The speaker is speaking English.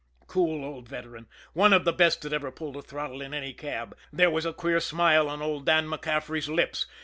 Cool old veteran, one of the best that ever pulled a throttle in any cab, there was a queer smile on old Dan MacCaffery's lips.